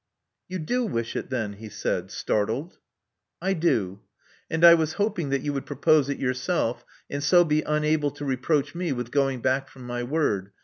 You do wish it, then," he said, startled. I do; and I was hoping that you would propose it yourself, and so be unable to reproach me with going back from my word.